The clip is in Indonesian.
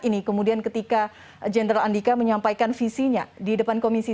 ini kemudian ketika jenderal andika menyampaikan visinya di depan komisi tiga